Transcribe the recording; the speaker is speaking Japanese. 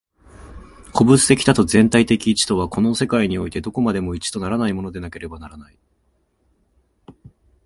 個物的多と全体的一とは、この世界においてどこまでも一とならないものでなければならない。